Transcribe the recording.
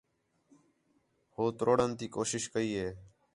ہُو تروڑݨ تی کوشش کَئی ہے